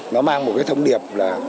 nó mang một thông điệp